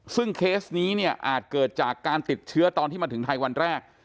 ซึ่งเคสนี้เนี่ยอาจเกิดจากการติดเชื้อตอนที่มาถึงไทยวันแรก